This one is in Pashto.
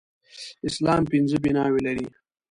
اسلام پنځه بناوې لري